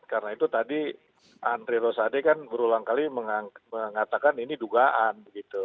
karena itu tadi andri rosade kan berulang kali mengatakan ini dugaan